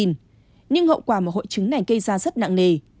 nhưng hậu quả mà hội chứng này gây ra rất nặng nề